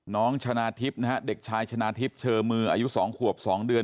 น้องชนะทิพย์นะฮะเด็กชายชนะทิพย์เชอมืออายุ๒ขวบ๒เดือน